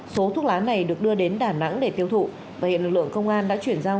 số thuốc lá này được đưa đến đà nẵng để tiêu thụ và hiện lực lượng công an đã chuyển giao